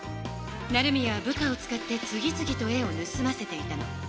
成宮は部下を使って次つぎと絵をぬすませていたの。